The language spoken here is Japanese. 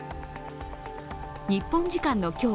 日本時間の今日